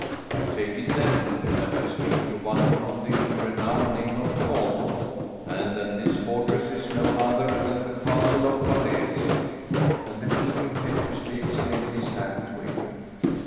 "I take it, then, that I speak to one of the renowned name of Talbot, and that this fortress is no other than the Castle of Falaise?" and the king impetuously extended his hand to him.